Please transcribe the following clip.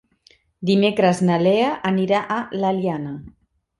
Dimecres na Lea anirà a l'Eliana.